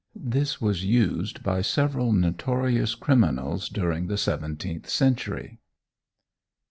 This was used by several notorious criminals during the seventeenth century.